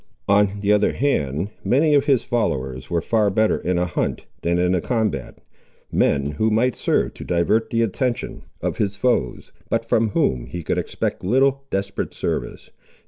On the other hand, many of his followers were far better in a hunt than in a combat; men who might serve to divert the attention of his foes, but from whom he could expect little desperate service.